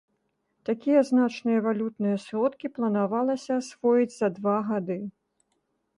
Такія значныя валютныя сродкі планавалася асвоіць за два гады.